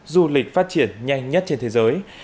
du lịch phát triển nhanh nhất trên thế giới